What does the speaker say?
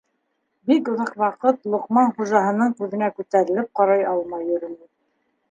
Бик оҙаҡ ваҡыт Лоҡман хужаһының күҙенә күтәрелеп ҡарай алмай йөрөнө.